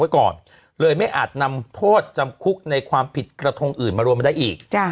ก่อนเลยไม่อาจนำโทษจำคุกในความผิดกระทงอื่นมารวมมาได้อีก